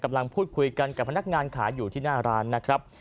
กำลังพูดคุยกันกับพนักงานขายอยู่ที่หน้าร้านนะครับ